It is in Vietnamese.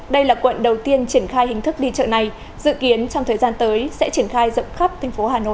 đây là quận đầu tiên triển khai hình thức đi chợ này dự kiến trong thời gian tới sẽ triển khai rộng khắp thành phố hà nội